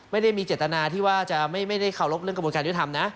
ไม่ได้มีเจตนาที่ว่าจะไม่ได้เคารพเรื่องกระบวนการยุทธรรมนะ